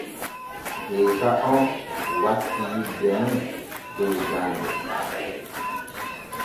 Geeka on wattii yidde mum dow jande.